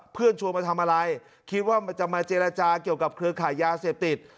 ชวนมาทำอะไรคิดว่าจะมาเจรจาเกี่ยวกับเครือขายยาเสพติด